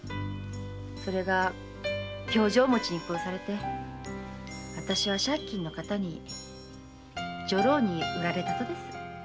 それが凶状持ちに殺されて私は借金の形に女郎に売られたとです。